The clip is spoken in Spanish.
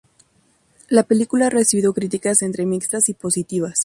La película ha recibido críticas entre mixtas y positivas.